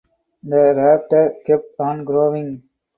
The Raptors kept on growing.